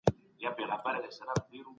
اد یو سرلوړي افغانستان پر لور.